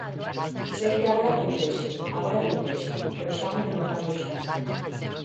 Sei que agora é complexo, agora é complexo, pero estamos rematando xa.